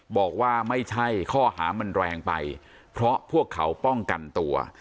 บอกว่าไม่ใช่ข้อหามันแรงไปเพราะพวกเขาป้องกันตัว